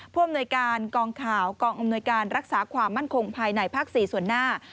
ผู้อำนวยการกองข่าวกองอำนวยการรักษาความมั่นคงภายในภาค๔ส่วนหน้า